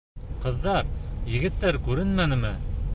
Ҡыҙҙар, егеттәр күренмәнеме?